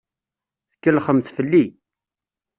Tkellxemt fell-i.